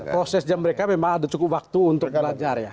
proses jam mereka memang ada cukup waktu untuk belajar ya